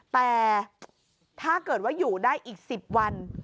แต่ถ้าเกิดว่าอยู่ได้อีก๑๐วัน